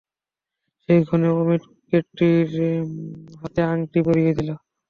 সেই ক্ষণে অমিত কেটির হাতে আংটি পরিয়ে দিলে।